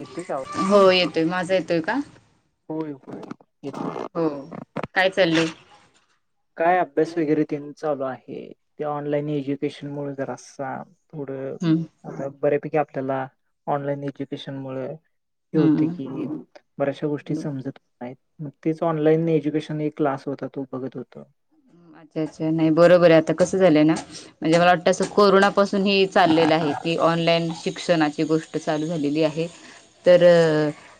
येतोय का आवाज? होय येतोय माझा येतोय का? हो येतोय. हो काय चाललंय? काय अभ्यास वगैरे त्यां चालू आहे ते ऑनलाईन एज्युकेशन मुळे जरासा थोड हम्म आता बऱ्यापैकी आपल्याला ऑनलाईन एज्युकेशन मुळ हो ते हम्म केल [unintelligible] बऱ्याचशा गोष्टी बर समजत नाहेत मग तेच ऑनलाईन एज्युकेशन एक क्लास होता तो बघत होतो. अच्छा अच्छा नाही बरोबर आहे आता कसं झालंय ना म्हणजे मला वाटं अस कोरोना पासून हे चाललेलं आहे की ऑनलाईन शिक्षणाची गोष्ट चालू झालेली आहे तर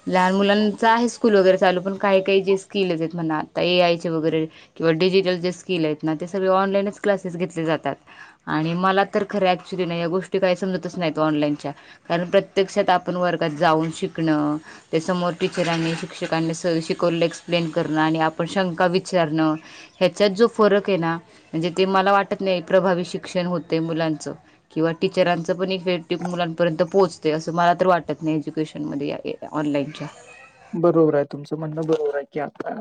लहान मुलांचा आहे स्कूल वगैरे चालू पण काही काही जे स्किलस आहेत म्हणा आता ए आयचे वगैरे किंवा डिजिटल जे स्किल आहेत ना ते सगळे ऑनलाईनच क्लासेस घेतले जातात. आणि मला तर खरं ऍक्च्युली नाही या गोष्टी काही समजतच नाही ऑनलाईनच्या. कारण प्रत्यक्षात वर्गात जाऊन शिकणं ते समोर टीचरांनी शिक्षकांनी स शिकवलं एक्सप्लेन करणं आणि आपण शंका विचारणं ह्याच्यात जो फरक आहे ना म्हणजे ते मला वाटत नाही प्रभावी शिक्षण होतय मुलांचं. किंवा टीचरांचं पण वैयक्तिक मुलांपर्यंत पोहोचते असं मला तर वाटत नाही एज्युकेशन मधे वाये ऑनलाईन च्या. बरोबर आहे तुमचं म्हणणं बरोबर आहे की आता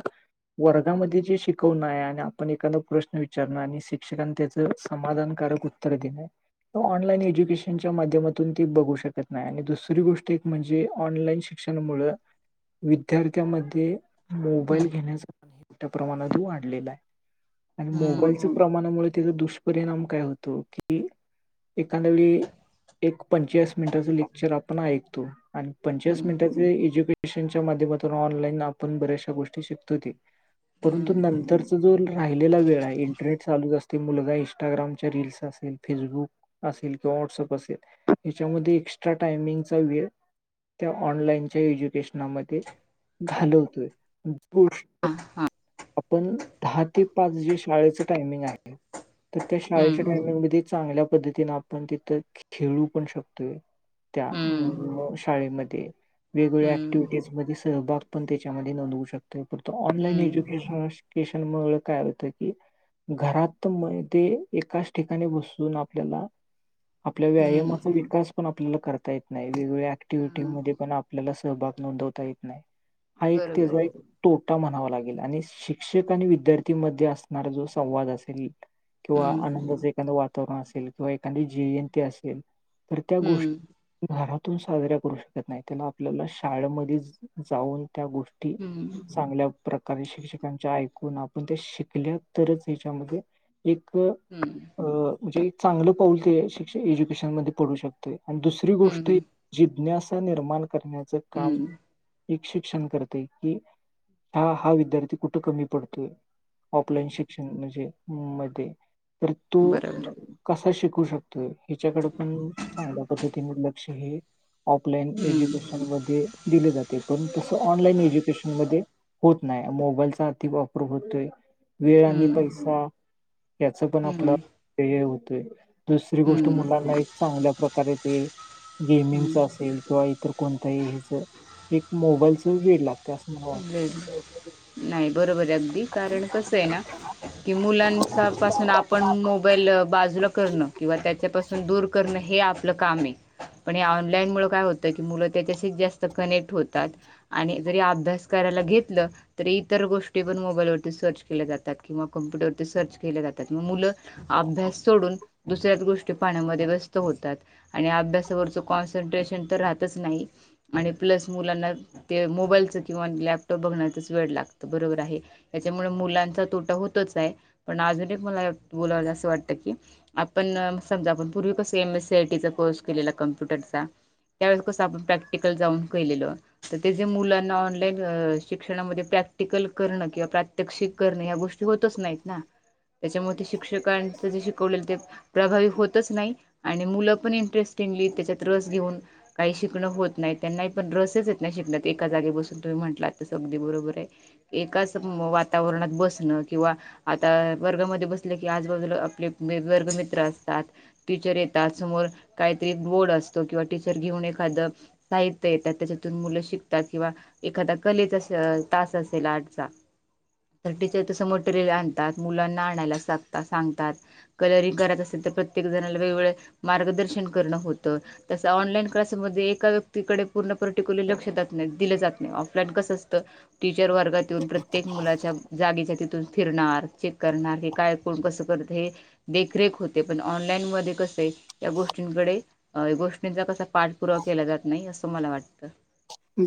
वर्गामध्ये जे शिकवणं आहे आणि आपण एखादा प्रश्न विचारण आणि शिक्षकांन त्याच समाधानकारक उत्तर [unintelligible] ऑनलाईन एज्युकेशनच्या माध्यमातून ते बघू शकत नाय आणि दुसरी गोष्ट एक म्हणजे ऑनलाईन क्षणमुळ विद्यार्थ्यांमध्ये मोबाईल घेण्याचा मोठ्या प्रमाणात वाढलेलं आहे. आणि हम्म मोबाईलच्या प्रमाणामुळे त्याचा दुष्परिणाम काय होतो की एखाद्या वेळी एक पंचेचाळीस मिनिटाचं लेक्चर आपण ऐकतो आणि पंचेचाळीस हम्म हम्म मिनिटचे एज्युकेशनच्या माध्यमातून ऑनलाइन आपण बऱ्याचशा गोष्टी शिकतो कि परंतु हम्म नंतरचा जो राहिलेला वेळ आहे इंटरनेट चालूच असते मुलगा इंस्टाग्रामच्या रीलस असेल फेसबुक असेल किंवा व्हॉट्सअप असेल याच्यामध्ये एक्स्ट्रा टायमिंगचा वेळ त्या ऑनलाईनच्या एज्युकेशनामध्ये घालवतोय आण [unintelligible] हा [unintelligible] आपण दहा ते पाच जे शाळेचं टायमिंग आहे तर त्या शाळेच्या हम्म टायमिंगमध्ये चांगल्या पद्धतीने आपण तिथं खेळू पण शकतोय त्या हम्म शाळेमध्ये. वेगवेगळ्या हम्म अँक्टिव्हिटीजमध्ये सहभाग पण त्याच्यामध्ये नोंदवू शकतो फक्त ऑनलाईन हम्म किशन मुळ काय होत की [unintelligible] घरात मग ते एकाच ठिकाणी बसून आपल्याला आपल्या हम्म व्यायामाचा विकास पण आपल्याला करता येत नाही वेगवेगळ्या ऍक्टिव्हटी हा मध्ये पण आपल्याला सहभाग नोंदवता येत नाही हा एक बरोबर आहे त्याचा एक तोटा म्हणावा लागेल आणि शिक्षक आणि विद्यार्थी मध्ये असणार जो संवाद असेल किंवा हम्म आनंदाचा एखादा वाट ण असेल किंवा एखादी जयंती असेल तर त्या गोष्ट हम्म [unintelligible] घरातून साजऱ्या करू शकत नाही त्यांना आपल्याला शाळेमध्ये जाऊन त्या गोष्टी हम्म ती चांगल्या प्रकारे शिक्षक त्यांच्या ऐकून आपण त्या शिकल्या तरच हच्यामध्ये एक हम्म- अ म्हणजे चांगलं पाऊल ते शिक्ष क्एज्युकेशन मध्ये पडू शकतंय आणि दुसरी गोष्ट हम्म जिज्ञासा निर्माण करण्याचं काम‌. हम्म एक शिक्षण करतेय की हा हा विद्यार्थी कुठं कमी पडतोय. ऑफलाइन शिक्षण म्हणजे मध्ये तो बरोबर कसा शिकू शकतोय ह्याच्याकडे पण चांगल्या पद्धतीने लक्ष हे ऑफलाईन हम्म एज्युकेशन मध्ये दिले जाते. पण तस ऑनलाईन एज्युकेशन मध्ये होत नाही मोबाईल वापर होतोय वेळ आणि हम्म पैसा याच पण आपलं हम्म हे होतय दुसरी गोष्ट हम्म मुलांना चांगल्या प्रकारे ते हम्म गेमिंगच असेल. किंवा इतर कोणतही हच एक मोबाईलच वेळ लागत. नाही बरोबर अगदी कारण कसं आहे ना की मुलांचापासून आपण मोबाईल बाजूला करण. किंवा त्याच्यापासून दूर करणं हे आपलं काम आहे. पण या ऑनलाईन मुळे काय होतं मुलं त्याच्याशी जास्त कनेक्ट होतात आणि जरी अभ्यास करायला घेतलं. तरी इतर गोष्टी पण मोबाईलवरती सर्च केल्या जातात किंवा कम्प्युटरवरती सर्च केल्या जातात, म मुलं अभ्यास सोडून दुसऱ्याच गोष्टी पाहण्यात मध्ये व्यस्त होतात. आणि अभ्यासावरच कॉन्सन्ट्रेशन तर राहतच नाही. आणि प्लस मुलांना ते मोबाईलचं किंवा लॅपटॉप बघण्याचंच वेड लागतं मुलांना बरोबर आहे त्यामुळे मुलांचं तोटा होतच आहे. पण अजून एक मला बोलावसं वाटतं की आपण समजा आपण पूर्वी कसा M S C I T चा कॉम्प्युटरवरचा. त्यावेस कस आपण प्रॅक्टिकल जाऊन केलेलं तर ते जे मुलांना. शिक्षणामध्ये प्रॅक्टिकल करणं किंवा प्रात्यक्षिक करणं ह्या गोष्टी होतच नाहीत ना. त्याच्यामुळे ते शिक्षकांच जे शिकवलेलं ते प्रभावी होतच नाही आणि मुलं पण इंटरेस्टिंगली त्याच्यात रस घेऊन काही शिकणं होत नाही त्यांनाही पण रसेच येत नाही शिकण्यात एका जागे बसून. तुम्ही म्हटलं अगदी बरोबर आहे, एकाच वातावरणात बसणं किंवा आता वर्गामध्ये बसले की आजूबाजूला आपले वर्ग मित्र असतात. टीचर येतात समोर काहीतरी बोर्ड असतो किंवा टीचर घेऊन एखादं साहित्य येतात त्याच्यातून मुलं शिकतात किंवा एखादा कलेचा तास असेल आर्टचा. तर टीचर तसं मटेरियल आणतात मुलांना आणायला सगतात सांगतात. कलरिंग करत असेल तर प्रत्येक जणला वेगवेगळं मार्गदर्शन करणं होतं. तस ऑनलाईन क्लासमध्ये एका व्यक्तीकडे पूर्ण पर्टिक्युलर लक्ष नाही दिलं जात. ऑफलाईन कसं असतं. टीचर वर्गात येून प्रत्येक मुलाच्या जागेच्या तिथून फिरणार. करणार हे काय कोण कसं करत हे. देखरेख होते पण ऑनलाईन मध्ये कस आहे या गोष्टींकडे गोष्टींचा कसा पाठपुरावा केला जात नाही असं मला वाटतं.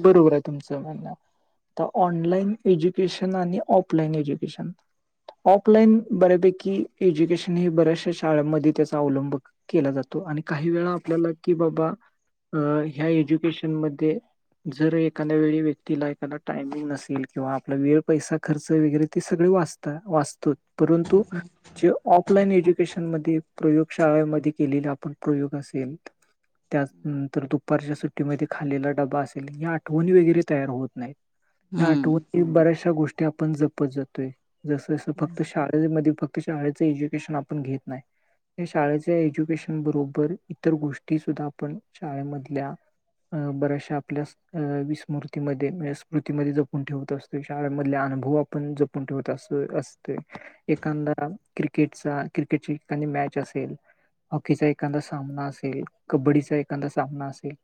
बरोबर आहे तुमचं म्हणं. आता ऑनलाइन एज्युकेशन आणि ऑफलाइन एज्युकेशन. ऑफलाईन बऱ्यापैकी एज्युकेशन हे बऱ्याचशा शाळांमध्ये त्याचा अवलंबक. केला जातो. आणि काही वेळा आपल्याला की बाबा अ ह्या एज्युकेशन मध्ये, जर एखाद वेळी व्यक्तीला एखादा टायमिंग नसेल किंवा आपला वेळ पैसा खर्च वगैरे ते सगळे वाचत. वाचतो परंतु. जे ऑफलाईन एज्युकेशन मध्ये प्रयोगशाळेमध्ये केलेले आपण प्रयोग असेल. त्याचनंतर दुपारच्या सुट्टीमध्ये खालेला डबा असेल. आठवणी वगैरे तयार होत नाही. या हम्म आठवणी वगैरे या बऱ्याच शा गोष्टी. आपण जपत जातोय. जसं जसं फक्त शाळेमध्ये आपण फक्त शाळेचे एज्युकेशन घेत नाही. हे शाळेच्या एज्युकेशन बरोबर इतर गोष्टी सुद्धा आपण शाळेमधल्या. अ बऱ्याशा. आपल्या विस्मृतीमध्ये स्मृतीमध्ये जपून ठेवत असतोय. शाळेमधल्या अनुभव आपण जप पून ठेवत असं असतंय. एखादा क्रिकेटचा क्रिकेटची एखादी मॅच असेल. हॉकीचा एखादा सामना असेल. कबड्डीचा एखादा सामना असेल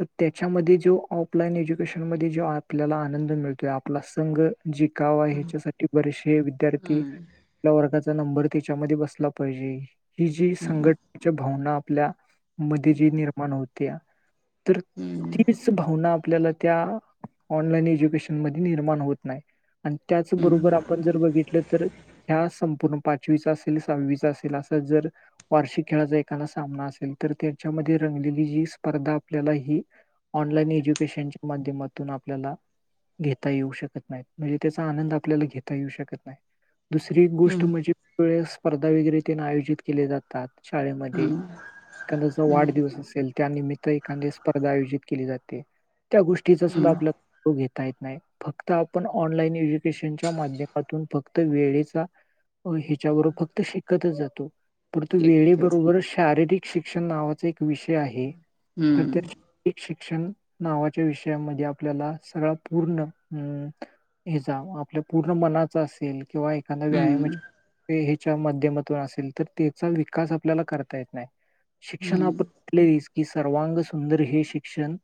तर तेच्यामध्ये, तो ऑफलाईन एज्युकेशनमध्ये जो आपल्याला आनंद मिळतोय. आपला संघ जिकाव हेच्यासाठी बरेचसे विद्यार्थी. हम्म आपल्या वर्गाचा नंबर तीच्यामध्ये बसला पाहिजे. हि जी हम्म संघट तिच्या भावना आपल्या मध्ये जी निर्माण होत्या. तर हम्म तिचं स भावना आपल्याला त्या ऑनलाईन एज्युकेशन मध्ये निर्माण होत नाही. आणि त्याचं हम्म बरोबर आपण जर बघितलं तर. ह्या संपूर्ण पाचवीचा असेल सहावीचा असेल असं जर. वार्षिक खेळाचा एखकादा सामना असेल, तर त्यांच्यामध्ये रंगलेली ही स्पर्धा आपल्याला ही. ऑनलाईन एज्युकेशनच्या माध्यमातून आपल्याला. घेता येऊ शकत नाहीत. म्हणजे त्याचा आनंद आपल्याला घेता येऊ शकत नाही. दुसरी गोष्ट हम्म म्हणजे काही वेळेस स्पर्धा वगैरे तेन आयोजित केले जातात. शाळेमध्ये हम्म एखादेस वेळी हम्म वाढदिवस असेल त्यानिमित्त एखादीवेळस स्पर्धा आयोजित. केली जाते. त्या गोष्टीचा सुद्धा हम्म आपल्यात घेता येत नाय. फक्त आपण ऑनलाईन एज्युकेशनच्या माध्यमातून फक्त वेळेचा. हीच्या बरोबर फक्त शिकतच जातो. पण तो वेळी शिकतच बरोबर शारीरिक शिक्षण नावाचा एक विषय आहे तर तर. हम्म एक शिक्षण नावाच्या विषयामध्ये आपल्याला सगळा पूर्ण अ. हेचा आपल्या पूर्ण मनाचा असेल किंवा एखादा हम्म व्यायामाचे हेच्या माध्यमातून असेल तर तेचा विकास आपल्याला करता येत नाय. शिक्षण आता हम्म आपटलेलीस की सर्वांग सुंदर हे शिक्षण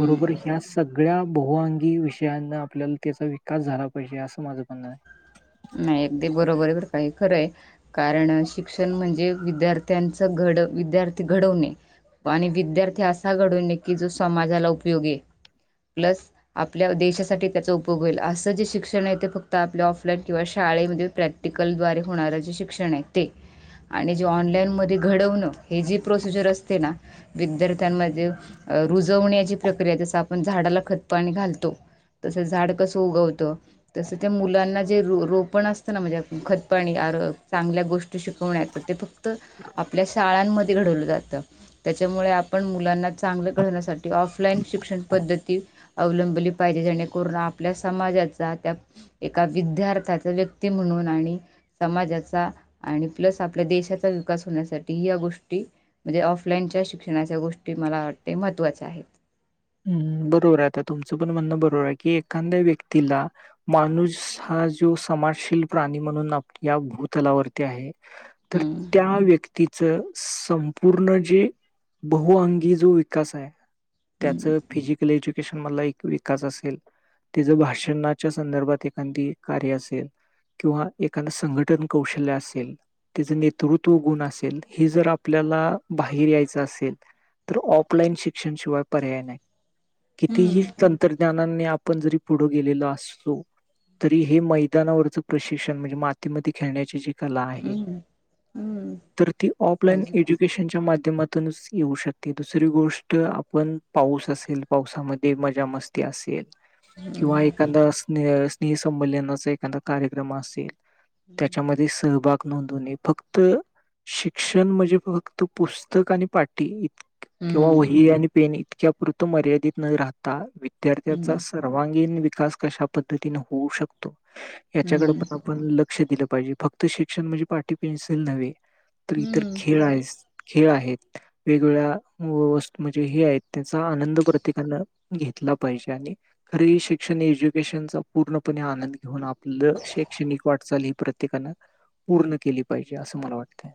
बरोबर ह्यास. सगळ्या बहुअगी विषयांना आपल्याला त्यांचा विकास झाला पाहिजे असं माझं म्हण आहे. नाय एकदी बरोबर बरं हे खरं आहे. कारण शिक्षण म्हणजे विद्यार्थ्यांचं घड विद्यार्थी घडवणे. आणि विद्यार्थी असा घडवनये की जो समाजाला उपयोगी ये. प्लस आपल्या देशासाठी त्यांचा उपभोग होईल असं जे शिक्षण आहे ते फक्त आपल्या आॅफ आपल्या शाळेमध्ये प्रॅक्टिकल द्वारे होणार जे शिक्षण आहे. ते आणि जे ऑनलाईन म ते घडवणं हे जी प्रोसिजर असते ना विद्यार्थ्यांमध्ये. अ रुजवण्याची प्रक्रिया जसं आ आपण झाडाला खत पाणी घालतो. तसं झाड कसं उगवतं तसं त्या मुलांना. जे रो रोपण असत ना. म्हणजे खतपाणी आरव चांगल्या गोष्टी शिक ते ते फक्त आपल्या शाळांमध्ये घडवलं जात त्यांच्यामुळे आपण मु मुलांना चांगल्या कळण्यासाठी ऑफलाईन शिक्षण पद्धती अवलंबली पाहिजे जेणेकरून आपल्या समाजाचा त्या एका विद्यार्थाचा व्यक्ती म्हणून आणि समाजाचा आणि प्लस आपल्या देशाचा विकास होण्यासाठी या गोष्टी म्हणजे ऑफलाइनच्या शिक्षणाच्या गोष्टी मला वाटतं महत्वाच्या आहे. हम्म बरोबर आहे आता तुमचं पण म्हणणं बरोबर आहे की एखांद्या व्यक्तीला माणूस हा जो समाशील प्राणी म्हणून आ या भूतलावरती आहे तर हम्म त्या व्यक्तीत च संपूर्ण जे बहुअंगी जो विकास आहे त्याचा हम्म फिजिकल एज्युकेशन मला एक विकास असेल. तेज्या भाषणाच्या संदर्भात एखांदी कार्य असेल. किंवा एखादं संघटन कौशल्य असेल. त्याज नेतृत्व गुण असेल हे जर आपल्याला बाहेर यायचं असेल तर ऑफलाईन शिक्षणशिवाय पर्याय नाही हम्म कितीही जर तंत्रज्ञान नान्य आपण जरी पुढं गेलेलो असतो तरी हे मैदानावरचं प्रशिक्षण म्हणजे मातीमध्ये खेळण्याची जी कला आहे हम्म हम्म तर ती ऑफलाईन साहजिकच एज्युकेशनच्या माध्यमात तनुच होऊ शकते दुसरं गोष्ट आपण पाऊस असेल पावसामध्ये मजा मस्ती असेल किंवा एखांदा स्नेह नेह संमेलन एखांदा कार्यक्रम असेल त्याच्यामध्ये सहभाग नोंदवने फक्त शिक्षण म्हणजे फक्त पुस्तक आणि पाठी इत किंवा हम्म वही आणि पेन इतक्या परतं मर्यादित न राहता विद्यार्थ्याचा हम्म स सर्वांगीण विकास कशा पद्धतीने होऊ शकतो याच्याकडे हम्म पण आपण लक लक्ष दिलं पाहिजे फक्त शिक्षण म्हणजे पाटी पेन्सिल नव्हे तर इतर हम्म खेळ आहेस. खेळ आहेत वेगवेगळ्या वस्तू म्हणजे हे आहेत त्याचा आनंद प्रत्येकानं घेतला पाहिजे आणि री शिक्षण एज्युकेशनचा पूर्णपणे आनंद घेऊन आप पलं शैक्षणिक वाटचाल ही प्रत्येकानं पूर्ण केली पाहिजे असं मला वाटतय.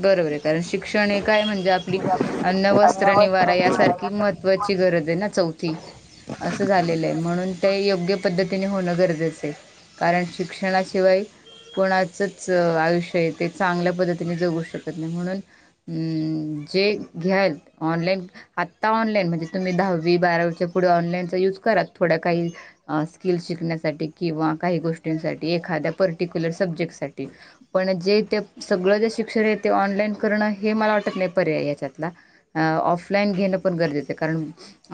बरोबर आहे कारण शिक्षण हे काय म्हणजे आपली अन्न वस्त्र निवारा यासारखी मह त्वाची गरज आहे ना चौथी. असं झालेलं आहे म्हणून ते योग्य पद्धतीने होणं गरजेचं आहे. कारण शिक्षणाशिवाय कोणाचच आयुष्य ते चांगल्या पद्ध तीने जगू शकत नाही म्हणून उम्म जे घ्याल ऑनलाईन आत्ता ऑनलाईन म्हणजे तुम्ही दहावी, बारावीच्या पुढे ऑनलाईनचा युज करा थोडं काही अ स्किल शिकण्यासाठी काही गोष्टींसाठी पर्टिक्युलर सब्जेक्टसाठी पण जे ते सगळं जे शिक्षण आहे ते ऑनलाईन करणं हे मला वाटत नाही पर्याय याच्यातला. अ ऑफलाईन घेणं पण गरजेचं आहे कारण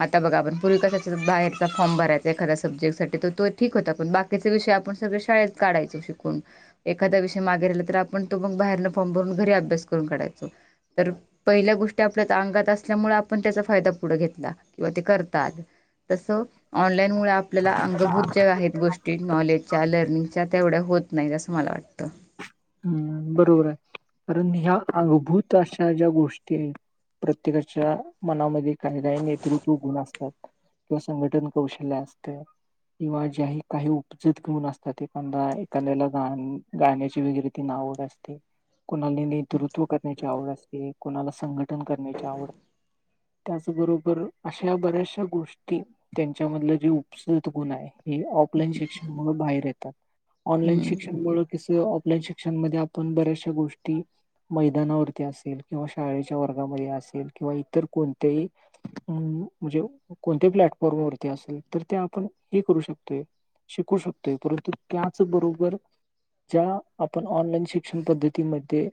आता बघा आपण पुर्वी कसाचा बाहेरचा फॉर्म भरायचा एखादा सब्जेक्ट साठी तर तो ठीक होता पण बा किच्या विषय आपण सगळं शाळेत काढायचो शिकून एखादा विषय मागे राहीला तर आपण तो मग बाहेरनं फॉर्म भरून घरी अभ्यास करून काढायचो. तर पहिल्या गोष्टी आपल्या अंगात असल्यामुळे आपण त्याचा फायदा पुढे घेतला. किंवा ते करतात तसं ऑनलाईन मुळे आ पल्याला अंगभूत ज्या आहेत गोष्टी नॉलेजच्या लर्निंगच्या तेवढ्या होत नाहीत असं मला वाटतं. बरोबर आहे कारण ह्या अगभूत अशा ज्या गोष्टी आहेत प्रत्येकाच्या मनामध्ये काही-काही नेतृत्व गुण असतात. किंवा संघटन कौशल्य असतं. किंवा ज्याही काही उपजीत गुन असतात. एखादं एखाद्याला गा गाण्याची वगैरे, आवड असते. कोणाला नेतृत्व करण्याची आवड असते. कोणाला संघ करण्याची आवड. त्याचबरोबर अशा बऱ्याचशा गोष्टी त्यांच्यामधलं जे उपसत गुण आहे. हे ऑफलाईन हम्म शिक्षण मुळ बाहेर येतात. ऑनलाईन हम्म शिक्षणमुळ कसं ऑफलाईन शिक शिक्षण मध्ये आपण बऱ्याचशा गोष्टी. मैदानावरती असेल किंवा शाळेच्या वर्गामध्ये असेल किंवा इतर कोणत्याही. अ म्हणजे कोणत्या प्लॅटफॉर्म वरती असेल तर ते आपण हे करू शकतोय. शिकू शकतोय. परंतु त्याच बरोबर ज्या, आपण ऑनलाईन शिक्षण पद्धतीमध्ये.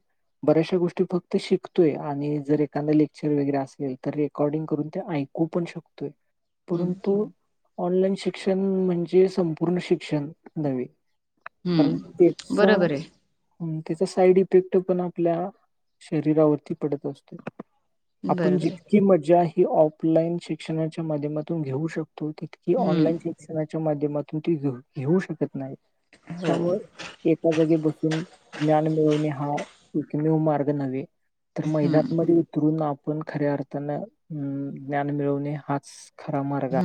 बऱ्याचशा गोष्टी फक्त शिकतोय. आणि जर एखादा लेक्चर वगैरे असेल तर रेकॉर्डिंग करून ते ऐक कु पण शकतोय. हम्म परंतु ऑनलाईन शिक्षण म्हणजे संपूर्ण शिक्षण नव्हे. कारण हम्म तेचा. बरोबर आहे त्यांचा साईड इफेक्ट पण आपल्या, शरीरावरती पडत असतोय. आपण बरोबर आहे जितकी मज्जा ही ऑफलाईन शिक्षणाच्या माध्यमातून घेऊ शकतो. तित कि हम्म ऑनलाईन शिक्षणाच्या माध्यमातून ते घ घेऊ शकत नाहीत हो त्यामुळं. एका जागी बसून ज्ञान मिळवणे हा एक मेव मार्ग नव्हे. तर हम्म. मैदानामध्ये उतरून आप पण खऱ्या अर्थान ज्ञान मिळवणे. हाच खरा मार्ग आहे.